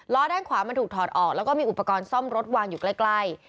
ด้านขวามันถูกถอดออกแล้วก็มีอุปกรณ์ซ่อมรถวางอยู่ใกล้